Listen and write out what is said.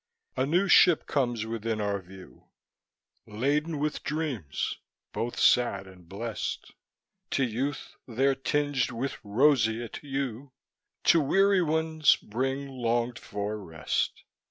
A new ship comes within our view, Laden with dreams both sad and blest; To youth they're tinged with roseate hue; To weary ones bring longed for rest.